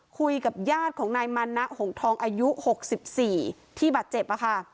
คุยกับญาติของนายมานะหงทองอายุ๖๔ที่บาดเจ็บค่ะ